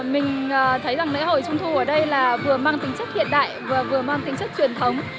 mình thấy rằng lễ hội trung thu ở đây là vừa mang tính chất hiện đại vừa vừa mang tính chất truyền thống